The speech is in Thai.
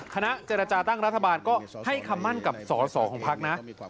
คณะเจรจาตั้งรัฐบาลก็ให้คำมั่นกับสอสอของพักนะ